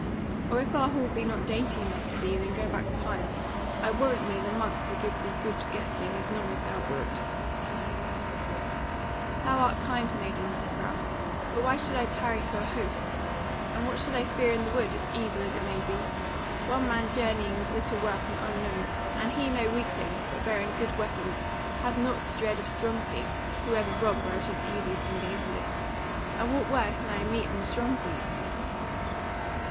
Or if our hall be not dainty enough for thee, then go back to Higham: I warrant me the monks will give thee good guesting as long as thou wilt." "Thou art kind, maiden," said Ralph, "but why should I tarry for an host? and what should I fear in the Wood, as evil as it may be? One man journeying with little wealth, and unknown, and he no weakling, but bearing good weapons, hath nought to dread of strong thieves, who ever rob where it is easiest and gainfullest. And what worse may I meet than strong thieves?"